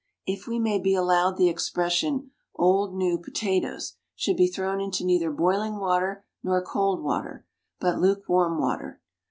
If we may be allowed the expression, "old new" potatoes should be thrown into neither boiling water nor cold water, but lukewarm water.